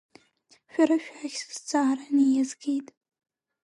Шәара шәахь сызҵаара ниазгеит.